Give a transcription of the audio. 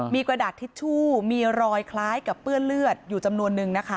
มีกระดาษทิชชู่มีรอยคล้ายกับเปื้อนเลือดอยู่จำนวนนึงนะคะ